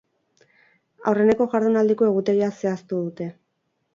Aurreneko jardunaldiko egutegia zehaztu dute.